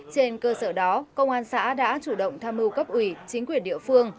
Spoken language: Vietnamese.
trên cơ sở đó công an xã đã chủ động tham mưu cấp ủy chính quyền địa phương